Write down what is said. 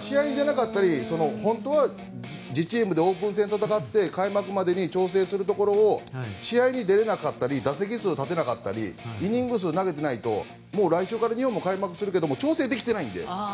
試合に出なかったり本当は自チームでオープン戦、戦って開幕までに調整するところを試合に出られなかったり打席数立てなかったりイニング数投げなかったら来週から日本も開幕するけど調整できていないので。